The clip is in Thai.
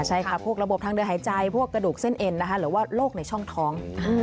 ใช่ค่ะพวกระบบทางเดินหายใจพวกกระดูกเส้นเอ็นนะคะหรือว่าโรคในช่องท้อง